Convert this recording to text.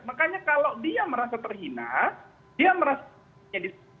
makanya kalau dia merasa terhina dia merasa jadi